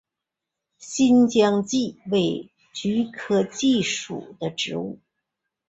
新疆蓟为菊科蓟属的植物。